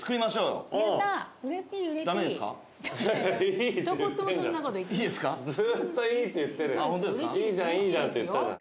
いいじゃんいいじゃんって言ったじゃん。